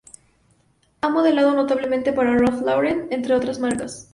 Ha modelado notablemente para Ralph Lauren, entre otras marcas.